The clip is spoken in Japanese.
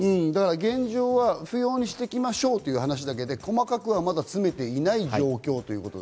現在は不要にしていきましょうという話だけで細かくは詰めていない状況。